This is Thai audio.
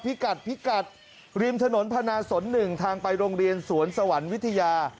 พิกัดริมถนนพนาศน๑ทางไปโรงเรียนสวรรค์สวรรค์สวรรค์วิทยา